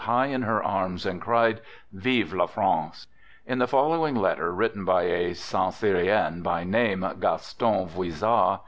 high in her arms and cried :" Vive la France ! 99 3 In the following letter written by a Saint Cyrien, by name Gaston Voizard, M.